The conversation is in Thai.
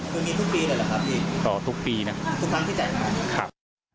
อ๋อทุกปีนะทุกครั้งที่ใจนะครับครับ